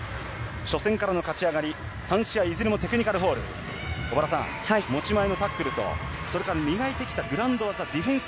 初戦からの３試合いずれもテクニカルファウル持ち前のタックルとそれから磨いてきたグラウンド技、ディフェンス。